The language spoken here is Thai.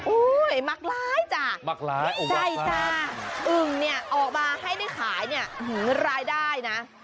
มักร้ายจ้ะมักร้ายอกใช่จ้าอึ่งเนี่ยออกมาให้ได้ขายเนี่ยรายได้นะ